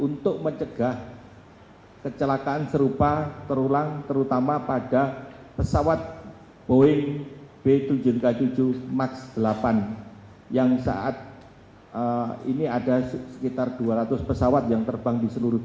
untuk lebih mendetailkan tentang kerusakan pada penunjuk kecepatan atau air speed indicator pada empat penerbangan terakhir